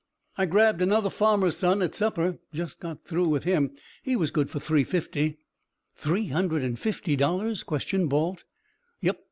"I grabbed another farmer's son at supper just got through with him. He was good for three fifty." "Three hundred and fifty dollars?" questioned Balt.